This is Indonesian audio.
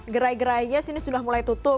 gerai gerainya sini sudah mulai tutup